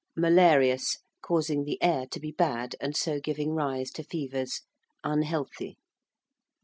~Malarious~: causing the air to be bad, and so giving rise to fevers; unhealthy.